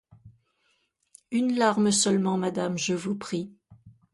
Une larme seulement, madame, je vous prie.